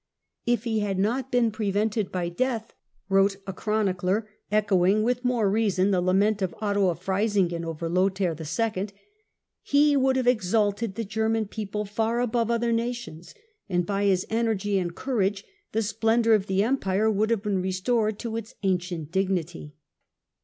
" If he had not been prevented by death," wrote a chronicler, echoing, with more reason, the lament of Otto of Freisingen over Lothair II. (see p. 125), "he would have exalted the German people far above other nations, and by his energy and courage the splendour of the Empire would have been restored to its ancient dignity."